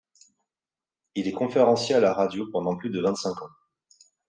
Il est conférencier à la radio pendant plus de vingt-cinq ans.